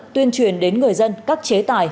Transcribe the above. tuyên truyền đến người dân các chế tài